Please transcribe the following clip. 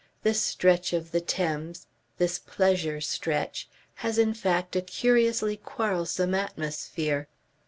This stretch of the Thames, this pleasure stretch, has in fact a curiously quarrelsome atmosphere.